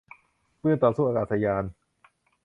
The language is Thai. ปืนต่อสู้อากาศยาน